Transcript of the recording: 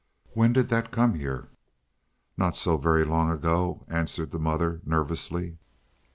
"When did that come here?" "Not so very long ago," answered the mother, nervously.